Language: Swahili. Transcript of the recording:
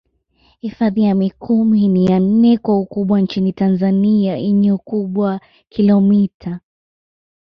Hifadhi ya Mikumi ni ya nne kwa ukubwa nchini Tanzania yenye ukubwa kilomita